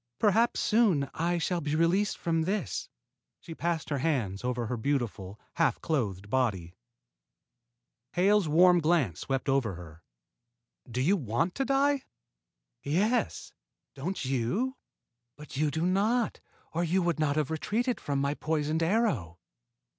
Perhaps soon I shall be released from this." She passed her hands over her beautiful, half clothed body. Hale's warm glance swept over her. "Do you want to die?" "Yes; don't you? But you do not, or you would not have retreated from my poisoned arrow."